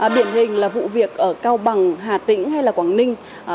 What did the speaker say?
điển hình là vụ việc ở cao bằng hà tĩnh hay là quảng ninh